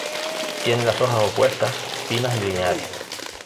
Tiene las hojas opuestas, finas y lineares.